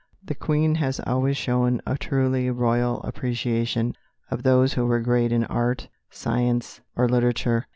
The Queen has always shown a truly royal appreciation of those who were great in art, science, or literature.